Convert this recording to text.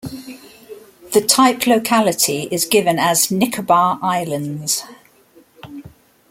The type locality is given as "Nicobar Islands".